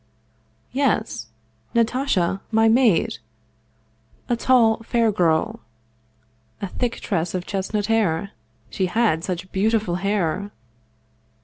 " Yes, Natasha, my maid. A tall, fair girl. A thick tress of chestnut hair. She had such beautiful hair!